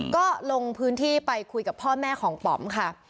ก็ลงพื้นที่ไปคุยกับพ่อแม่ของป๋อมค่ะ